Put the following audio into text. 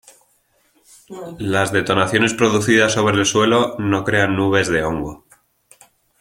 Las detonaciones producidas sobre el suelo no crean nubes de hongo.